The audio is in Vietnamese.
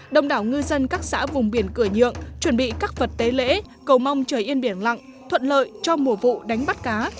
đồng đảo ngư dân các xã vùng biển cửa nhượng chuẩn bị các vật tế lễ cầu mong trời yên biển lặng thuận lợi cho mùa vụ đánh bắt cá